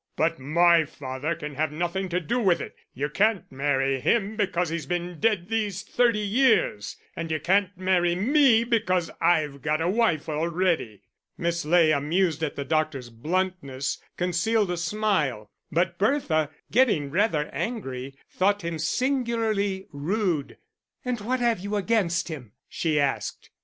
"But my father can have nothing to do with it; you can't marry him because he's been dead these thirty years, and you can't marry me because I've got a wife already." Miss Ley, amused at the doctor's bluntness, concealed a smile; but Bertha, getting rather angry, thought him singularly rude. "And what have you against him?" she asked.